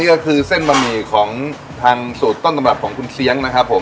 ก็คือเส้นบะหมี่ของทางสูตรต้นตำรับของคุณเชียงนะครับผม